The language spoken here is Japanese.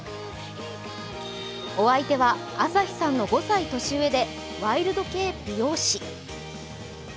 お相手は、朝日さんの５歳年上でワイルド系美容師。